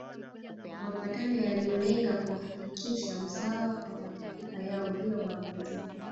Mapatano yaliyolenga kuhakikisha usawa kwa mataifa yao bila ubaguzi